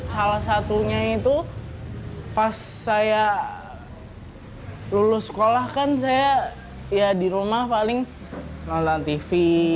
salah satunya pas saya lulus sekolah di rumah paling nonton tv